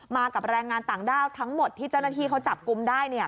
กับแรงงานต่างด้าวทั้งหมดที่เจ้าหน้าที่เขาจับกลุ่มได้